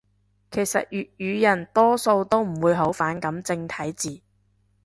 其實粵語人多數都唔會好反感正體字